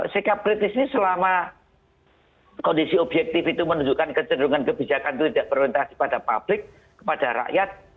sikap kritis ini selama kondisi objektif itu menunjukkan kecenderungan kebijakan itu tidak berorientasi pada publik kepada rakyat